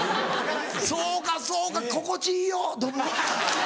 そうかそうか心地いいよドブ。